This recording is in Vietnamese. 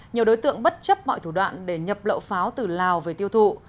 nhiều đối tượng bất chấp mọi thủ đoạn để nhập lậu pháo từ lào về tiêu thụ